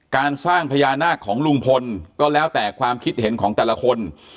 การสร้างพญานาคของลุงพลก็แล้วแต่ความคิดเห็นของแต่ละคน